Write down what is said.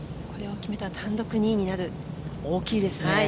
これを決めたら単独２位になる、大きいですよね。